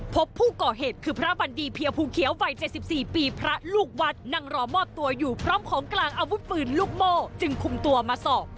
พบผู้ก่อเหตุคือพระบันดีเพียภูเขียววัย๗๔ปีพระลูกวัดนั่งรอมอบตัวอยู่พร้อมของกลางอาวุธปืนลูกโม่จึงคุมตัวมาสอบ